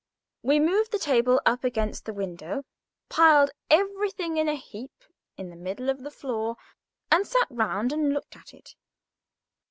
We moved the table up against the window, piled everything in a heap in the middle of the floor, and sat round and looked at it.